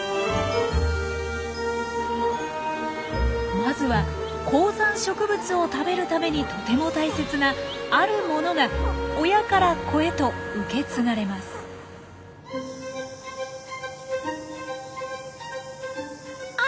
まずは高山植物を食べるためにとても大切な「あるもの」が親から子へと受け継がれます。